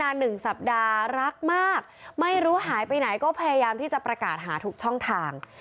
หนึ่งสัปดาห์รักมากไม่รู้หายไปไหนก็พยายามที่จะประกาศหาทุกช่องทาง